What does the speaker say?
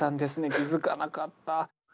気付かなかった。